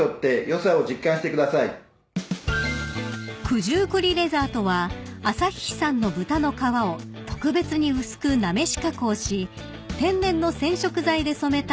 ［九十九里レザーとは旭市産の豚の皮を特別に薄くなめし加工し天然の染色材で染めた革のこと］